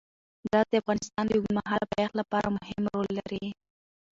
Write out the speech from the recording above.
ګاز د افغانستان د اوږدمهاله پایښت لپاره مهم رول لري.